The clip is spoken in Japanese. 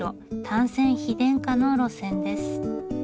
単線非電化の路線です。